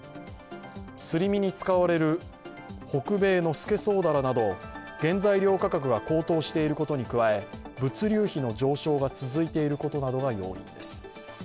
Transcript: すり身に使われる北米のスケソウダラなど原材料価格が高騰していることに加え、物流費の上昇が続いていることが要因です。